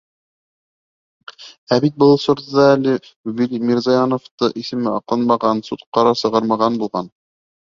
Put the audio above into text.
Ә бит был осорҙа әле Вил Мирзаяновтың исеме аҡланмаған, суд ҡарар сығармаған булған.